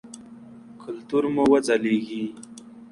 کلتور مو وځلیږي.